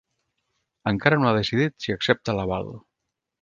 Encara no ha decidit si accepta l’aval.